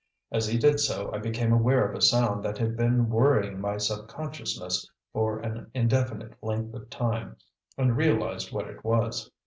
As he did so I became aware of a sound that had been worrying my subconsciousness for an indefinite length of time, and realised what it was.